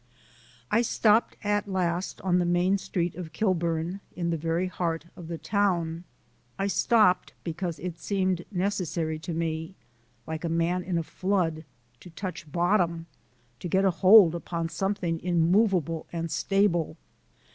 I stopped at last on the main street of Kilburn in the very heart of the town. I stopped because it seemed necessary to me, like a man in a flood, to touch bottom, to get hold upon something immovable and stable.